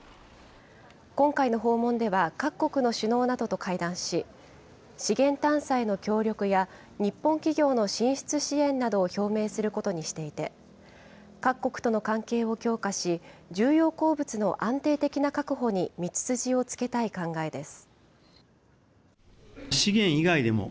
今回の訪問では各国の首脳などと会談し、資源探査への協力や日本企業の進出支援などを表明することにしていて、各国との関係を強化し、重要鉱物の安定的な確保に道筋をつけたい考えです。